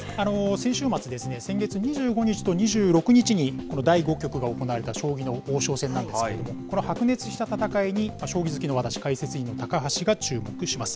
先週末の２５日と２６日に、この第５局が行われた将棋の王将戦なんですけれども、この白熱した戦いに、私、解説委員の高橋がチューモクします。